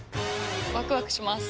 ワクワクします。